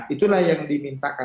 itulah yang dimintakan